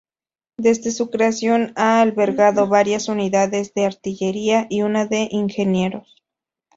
Desde su creación ha albergado varias unidades de artillería y una de ingenieros.